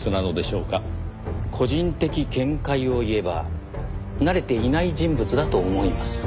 個人的見解を言えば慣れていない人物だと思います。